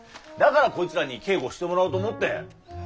だからこいつらに警護してもらおうと思って。